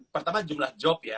pertama jumlah job ya